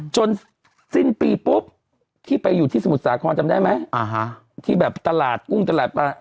จนสิ้นปีปุ๊บที่ไปอยู่ที่สมุทรสาครจำได้ไหมที่แบบตลาดกุ้งตลาดปลา